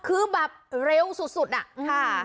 คือแบบเร็วสุดอะค่ะ